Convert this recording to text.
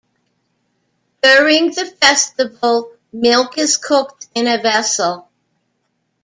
During the festival, milk is cooked in a vessel.